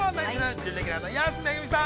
準レギュラーの安めぐみさん